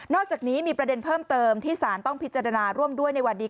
อกจากนี้มีประเด็นเพิ่มเติมที่สารต้องพิจารณาร่วมด้วยในวันนี้